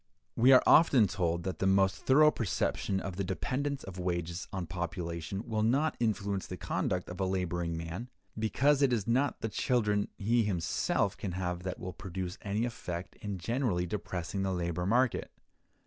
We are often told that the most thorough perception of the dependence of wages on population will not influence the conduct of a laboring man, because it is not the children he himself can have that will produce any effect in generally depressing the labor market.